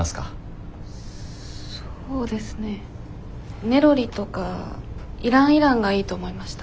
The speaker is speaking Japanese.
そうですねネロリとかイランイランがいいと思いました。